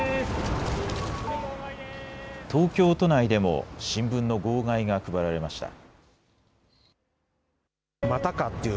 東京都内でも新聞の号外が配られました。